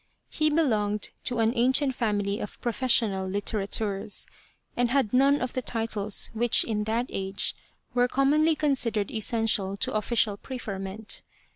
He be longed to an ancient family of professional litterateurs, and had none of the titles which in that age were commonly considered essential to official preferment.